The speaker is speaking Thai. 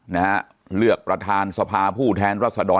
เนธเลือกประทานสภาผู้แทนรัษดร